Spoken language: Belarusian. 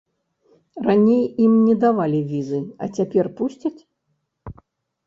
Раней ім не давалі візы, а цяпер пусцяць?